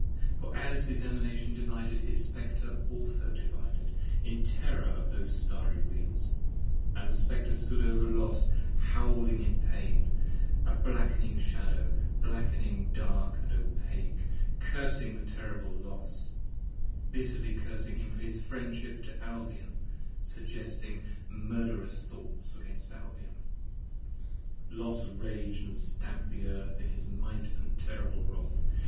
For as his Emanation divided, his Spectre also divided In terror of those starry wheels: and the Spectre stood over Los 5 Howling in pain : a black'ning Shadow, black'ning dark & opake Cursing the terrible Los; bitterly cursing him for his friendship To Albion, suggesting murderous thoughts against Albion. Los rag'd and stamp'd the earth in his might & terrible wrath!